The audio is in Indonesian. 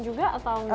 juga atau enggak